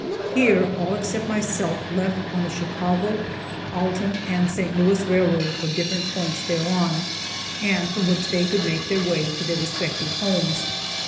Here all except myself left on the Chicago, Alton and St. Louis railroad, for different points thereon, and from which they would make their way to their respective homes.